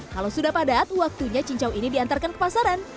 kalau sudah padat waktunya cincau ini diantarkan ke pasaran